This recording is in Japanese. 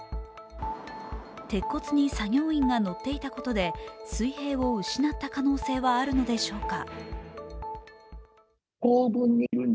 鉄骨に作業員が乗っていたことで水平を失った可能性はあるのでしょうか。